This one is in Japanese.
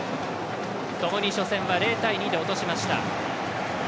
ともに初戦は０対２で落としました。